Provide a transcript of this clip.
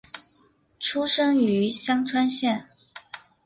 出身于香川县。